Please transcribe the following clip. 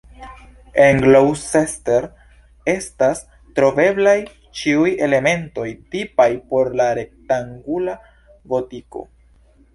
En Gloucester estas troveblaj ĉiuj elementoj tipaj por la rektangula gotiko.